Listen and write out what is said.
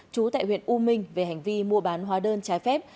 chú tại huyện u minh về hành vi mua bán hóa đơn trái phép